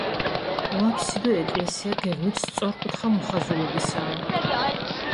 უაბსიდო ეკლესია გეგმით სწორკუთხა მოხაზულობისაა.